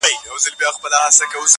قاسم یار سي لېونی پتنګ لمبه سي,